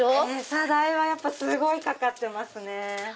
餌代はすごいかかってますね。